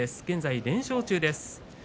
現在、連勝中です。